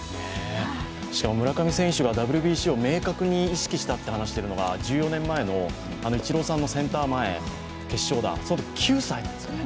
しかも村上選手がＷＢＣを明確に意識したと話しているのが１４年前のイチローさんのセンター前の決勝打、そのとき９歳なんですよね。